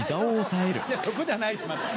そこじゃないしまた。